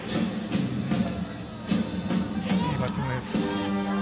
いいバッティングです。